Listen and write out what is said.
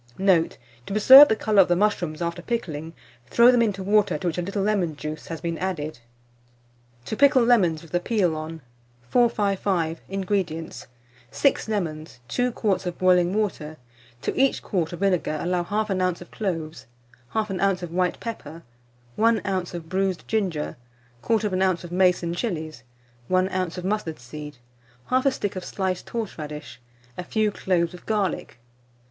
Note. To preserve the colour of the mushrooms after pickling, throw them into water to which a little lemon juice has been added. TO PICKLE LEMONS WITH THE PEEL ON. 455. INGREDIENTS. 6 lemons, 2 quarts of boiling water; to each quart of vinegar allow 1/2 oz. of cloves, 1/2 oz. of white pepper, 1 oz. of bruised ginger, 1/4 oz. of mace and chilies, 1 oz. of mustard seed, 1/2 stick of sliced horseradish, a few cloves of garlic.